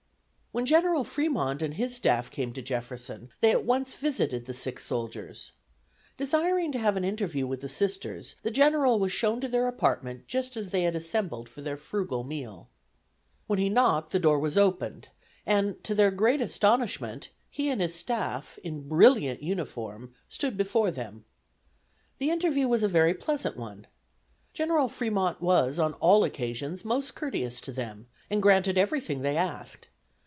When General Fremont and his staff came to Jefferson they at once visited the sick soldiers. Desiring to have an interview with the Sisters the General was shown to their apartment just as they had assembled for their frugal meal. When he knocked the door was opened, and, to their great astonishment, he and his staff, in brilliant uniform, stood before them. The interview was a very pleasant one. General Fremont was on all occasions most courteous to them, and granted everything they asked.